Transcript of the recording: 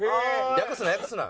略すな略すな！